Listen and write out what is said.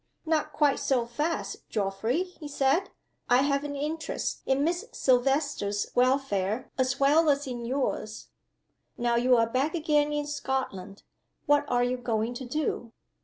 "Not quite so fast, Geoffrey," he said. "I have an interest in Miss Silvester's welfare as well as in yours. Now you are back again in Scotland, what are you going to do?"